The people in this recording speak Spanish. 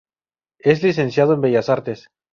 Es Licenciado en Bellas Artes.